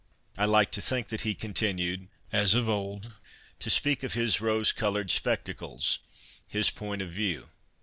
I like to think that he continued, as of old, to speak of his rose coloured spectacles, his point of view.